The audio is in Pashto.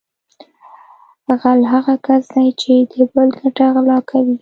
غل هغه کس دی چې د بل ګټه غلا کوي